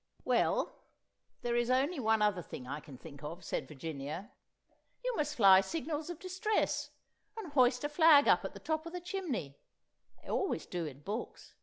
"Well, there is only one other thing I can think of," said Virginia; "you must fly signals of distress, and hoist a flag up at the top of the chimney—they always do in books.